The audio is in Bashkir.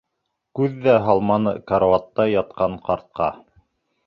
Күҙ ҙә һалманы карауатта ятҡан ҡартҡа.